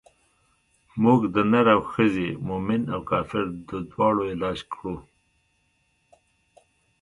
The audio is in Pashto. موږ د نر او ښځې مومن او کافر د دواړو علاج کړو.